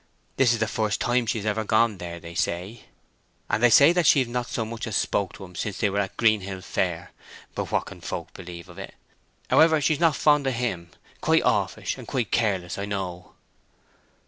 This is the first time she has ever gone there, they say. And they say that she've not so much as spoke to him since they were at Greenhill Fair: but what can folk believe o't? However, she's not fond of him—quite offish and quite careless, I know."